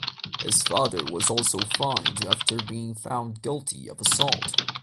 His father was also fined after being found guilty of assault.